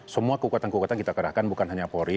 semua kekuatan kekuatan kita kerahkan bukan hanya polri